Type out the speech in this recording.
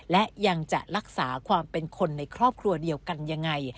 และยังจะรักษาความเป็นคนในครอบครัวเดียวกันยังไง